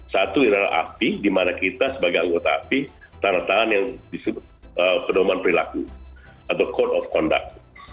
satu adalah api dimana kita sebagai anggota api tanda tangan yang disebut pedoman perilaku atau code of conduct